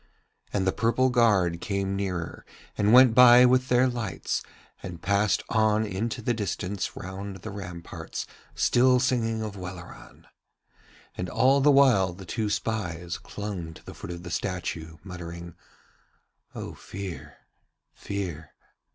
And the purple guard came nearer and went by with their lights, and passed on into the distance round the ramparts still singing of Welleran. And all the while the two spies clung to the foot of the statue, muttering: 'O Fear, Fear.'